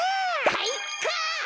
かいか！